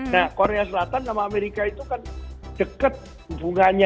nah korea selatan sama amerika itu kan dekat hubungannya